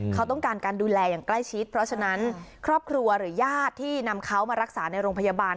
เขาต้องการการดูแลอย่างใกล้ชิดเพราะฉะนั้นครอบครัวหรือญาติที่นำเขามารักษาในโรงพยาบาล